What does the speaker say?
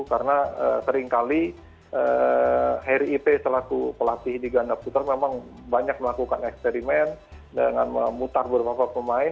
karena seringkali harry ipe selaku pelatih di ganda putra memang banyak melakukan eksperimen dengan memutar beberapa pemain